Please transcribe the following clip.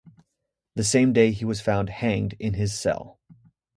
The same day he was found hanged in his cell.